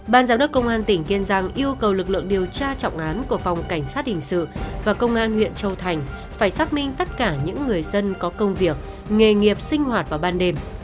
ban giám đốc công an tỉnh kiên giang yêu cầu lực lượng điều tra trọng án của phòng cảnh sát hình sự và công an huyện châu thành phải xác minh tất cả những người dân có công việc nghề nghiệp sinh hoạt vào ban đêm